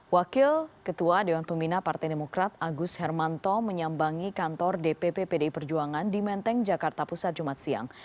wakil ketua dewan pembina partai demokrat agus hermanto menyambangi kantor dpp pdi perjuangan di menteng jakarta pusat jumat siang